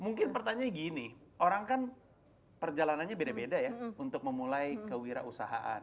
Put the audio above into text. mungkin pertanyaannya gini orang kan perjalanannya beda beda ya untuk memulai kewirausahaan